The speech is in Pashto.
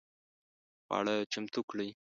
خواړه چمتو کړئ